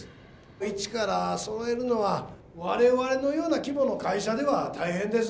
一からそろえるのは我々のような規模の会社では大変です。